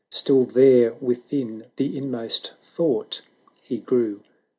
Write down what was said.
Still there within the inmost thought he grew.